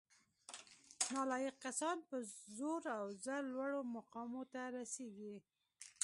نالایق کسان په زور او زر لوړو مقامونو ته رسیږي